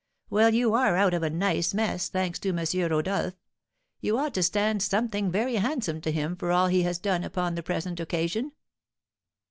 Well, you are out of a nice mess, thanks to M. Rodolph. You ought to stand something very handsome to him for all he has done upon the present occasion."